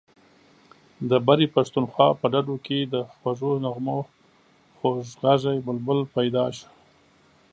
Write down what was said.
د برې پښتونخوا په ډډو کې د خوږو نغمو خوږ غږی بلبل پیدا شو.